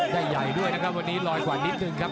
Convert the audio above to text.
ใหญ่ด้วยนะครับวันนี้ลอยกว่านิดนึงครับ